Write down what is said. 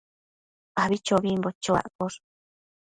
abichobimbo chuaccosh